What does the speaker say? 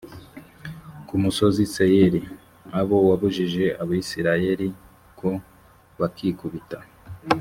ku musozi seyiri abo wabujije abisirayeli ko bakikubita